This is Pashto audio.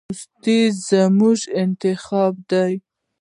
دوستي زموږ انتخاب دی.